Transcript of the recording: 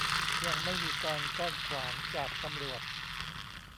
ยังไม่มีการกั้นขวางจากตำรวจ